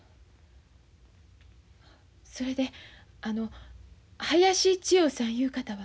それであの林千代さんいう方は。